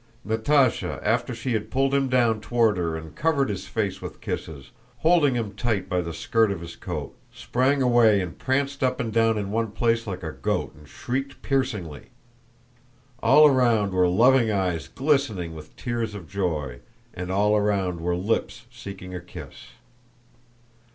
Natásha, after she had pulled him down toward her and covered his face with kisses, holding him tight by the skirt of his coat, sprang away and pranced up and down in one place like a goat and shrieked piercingly. All around were loving eyes glistening with tears of joy, and all around were lips seeking a kiss.